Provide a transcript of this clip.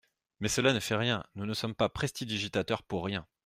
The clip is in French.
Mais cela ne fait rien, nous ne sommes pas prestidigitateur pour rien.